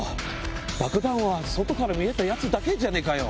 爆弾は外から見えたやつだけじゃねえかよ。